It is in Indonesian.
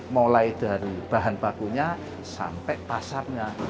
mulai dari bahan bakunya sampai pasarnya